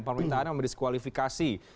permintaan yang berdiskualifikasi